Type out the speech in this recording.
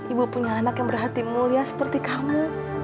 ibu punya anak yang berhati mulia seperti kamu